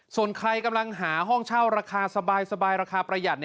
ส่วนใครกำลังหาห้องเช่าราคาสบายราคาประหยัด